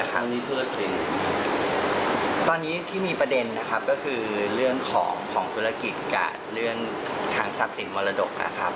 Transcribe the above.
ครั้งนี้ธุรกิจตอนนี้ที่มีประเด็นนะครับก็คือเรื่องของของธุรกิจการ์ดเรื่องทางทรัพย์สินมรดกนะครับ